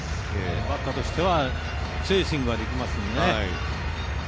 バッターとしては強いスイングができますのでね。